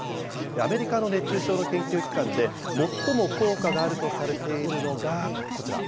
アメリカの熱中症の研究機関で、最も効果があるとされているのが、こちら。